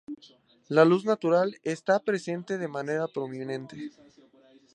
La luz natural está presente de manera prominente.